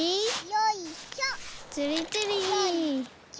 よいしょ。